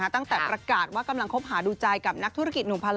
ตั้งแต่ประกาศว่ากำลังคบหาดูใจกับนักธุรกิจหนุ่มพันล